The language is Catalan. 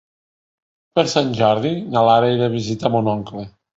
Per Sant Jordi na Lara irà a visitar mon oncle.